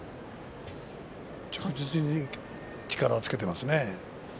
着実に力をつけていますね。